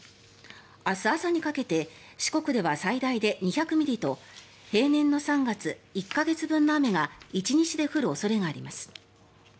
明日朝にかけて四国では最大で２００ミリと平年の３月、１か月分の雨が１日で降る恐れがあります。